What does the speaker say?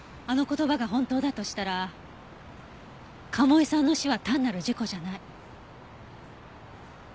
あの言葉が本当だとしたら賀茂井さんの死は単なる事故じゃない。